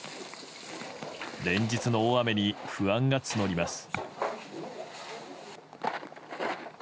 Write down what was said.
連日の大雨に不安が募ります。